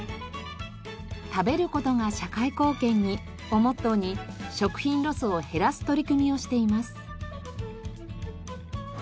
「食べることが社会貢献に」をモットーに食品ロスを減らす取り組みをしています。